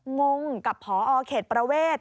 งงกับพอเขตประเวท